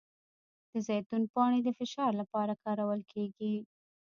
د زیتون پاڼې د فشار لپاره کارول کیږي؟